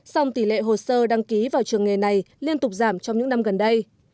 song tỷ lệ hồ sơ đăng ký vào trường nghề này liên tục giảm trong những năm gần đây